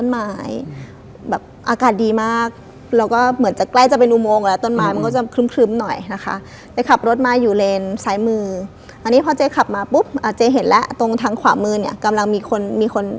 มาอยู่เรนซ้ายมืออันนี้พอเจ๊ขับมาปุ๊บอ่าเจ๊เห็นละตรงทางขวามือเนี่ยกำลังมีคนมีคน